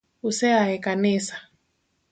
Use a e kanisa